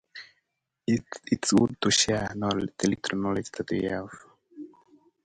Everyone is shocked when the explosion fails to destroy the object.